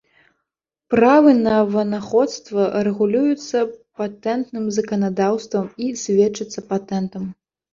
Правы на вынаходства рэгулююцца патэнтным заканадаўствам і сведчацца патэнтам.